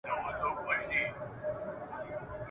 د ژوند تڼاکي سولوم په سرابي مزلونو `